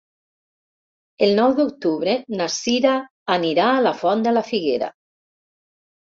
El nou d'octubre na Sira anirà a la Font de la Figuera.